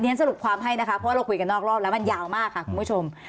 สรุปความให้นะคะเพราะว่าเราคุยกันนอกรอบแล้วมันยาวมากค่ะคุณผู้ชม